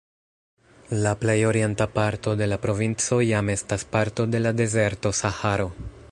La plej orienta parto de la provinco jam estas parto de la dezerto Saharo.